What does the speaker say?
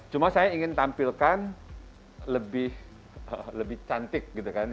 cuma saya ingin tampilkan lebih cantik